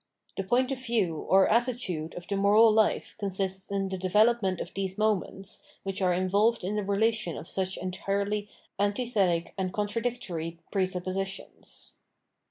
The point of view or attitude of the moral life consists in the development of these moments, which are involved in this relation of such entirely antithetic and contradictory presuppo sitions.